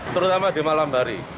terutama di malam hari